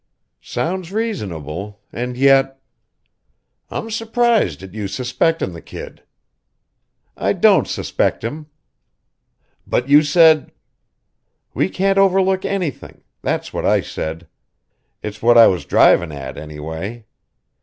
"Sounds reasonable; and yet " "I'm surprised at you suspectin' the kid." "I don't suspect him." "But you said " "We can't overlook anything that's what I said. It's what I was driving at, anyway.